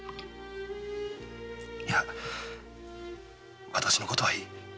いや私のことはいい。